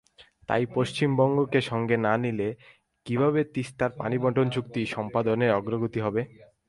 তাই পশ্চিমবঙ্গকে সঙ্গে না নিলে কীভাবে তিস্তার পানিবণ্টন চুক্তি সম্পাদনের অগ্রগতি হবে?